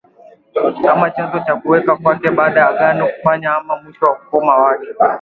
kama chanzo cha kuweko kwake baada ya Agano kufanywa ama Mwisho na ukomo wake